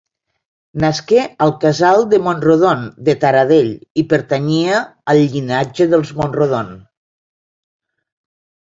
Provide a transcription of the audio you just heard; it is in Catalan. Nasqué al casal de Mont-rodon de Taradell i pertanyia al llinatge dels Mont-rodon.